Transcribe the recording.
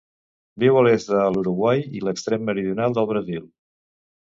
Viu a l'est de l'Uruguai i l'extrem meridional del Brasil.